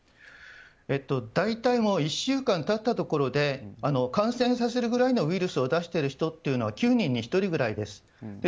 大体１週間経ったところで感染させるくらいのウイルスを出している人は９人に１人ぐらいです。